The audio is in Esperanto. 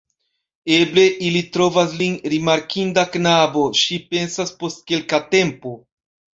Eble ili trovas lin rimarkinda knabo, ŝi pensas post kelka tempo.